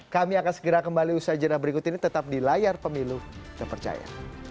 kami akan segera kembali usaha jenah berikut ini tetap di layar pemilu terpercaya